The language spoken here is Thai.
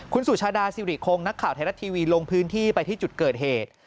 คุณสุชาดาสิริคงนักข่าวไทยรัฐทีวีลงพื้นที่ไปที่จุดเกิดเหตุ